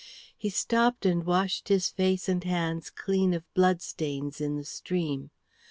He stopped and washed his face and hands clean of blood stains in the stream.